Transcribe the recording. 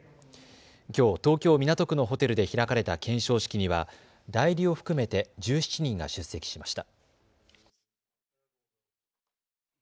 きょう東京港区のホテルで開かれた顕彰式には代理を含めて１７人が出席しました。